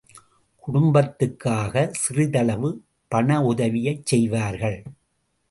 குடும்பத்துக்காக சிறிதளவு பணஉதவியைச் செய்வார்கள்.